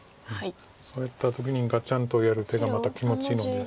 そうやった時にガチャンとやる手がまた気持ちいいので。